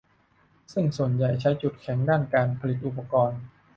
ซึ่งส่วนใหญ่ใช้จุดแข็งทางด้านการผลิตอุปกรณ์